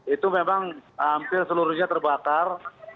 itu memang hampir seluruhnya terbakar